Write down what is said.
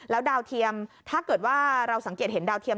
แล้วดาวเทียมถ้าเกิดว่าเราสังเกตเห็นดาวเทียม